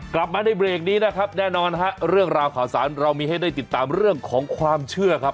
กลับมาในเบรกนี้นะครับแน่นอนฮะเรื่องราวข่าวสารเรามีให้ได้ติดตามเรื่องของความเชื่อครับ